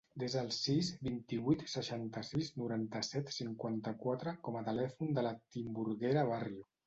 Desa el sis, vint-i-vuit, seixanta-sis, noranta-set, cinquanta-quatre com a telèfon de la Timburguera Barrio.